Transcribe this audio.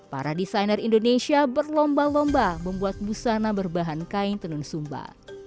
para desainer indonesia berlomba lomba membuat busana berbahan kain tenun sumba